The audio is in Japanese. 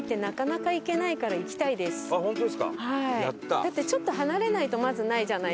だってちょっと離れないとまずないじゃないですか東京から。